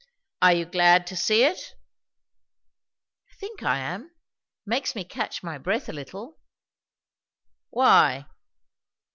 "Are you glad to see it?" "I think I am. It makes me catch my breath a little." "Why?"